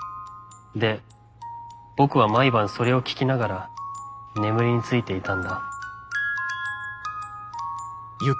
で僕は毎晩それを聴きながら眠りについていたんだ。